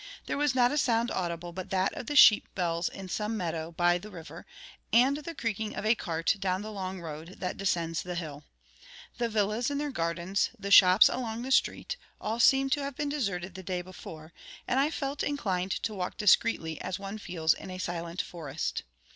There was not a sound audible but that of the sheep bells in some meadows by the river, and the creaking of a cart down the long road that descends the hill. The villas in their gardens, the shops along the street, all seemed to have been deserted the day before; and I felt inclined to walk discreetly as one feels in a silent forest.